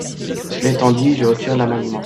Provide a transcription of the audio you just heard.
Cela étant dit, je retire l’amendement.